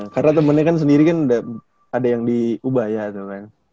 karena temennya kan sendiri kan ada yang di ubaya tuh kan